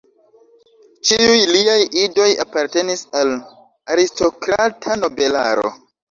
Ĉiuj liaj idoj apartenis al aristokrata nobelaro.